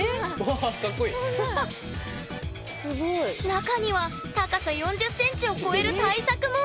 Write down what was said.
中には高さ４０ｃｍを超える大作も！